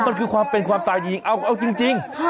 มันคือความเป็นความตายจริงเอาจริง